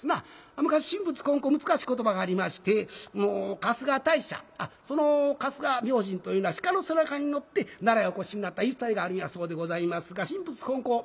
昔神仏混交難しい言葉がありまして春日大社あっその春日明神というのは鹿の背中に乗って奈良へお越しになった言い伝えがあるんやそうでございますが神仏混交